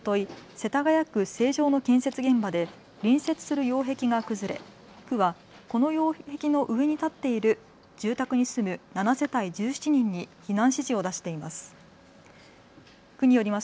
世田谷区成城の建設現場で隣接する擁壁が崩れ区はこの擁壁の上に建っている住宅に住む７世帯１７人に避難指示を出しています。